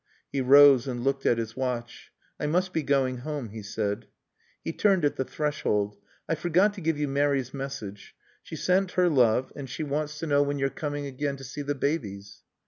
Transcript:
He rose and looked at his watch. "I must be going home," he said. He turned at the threshold. "I forgot to give you Mary's message. She sent her love and she wants to know when you're coming again to see the babies."